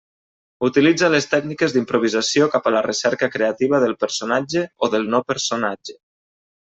Utilitza les tècniques d'improvisació cap a la recerca creativa del personatge o del no-personatge.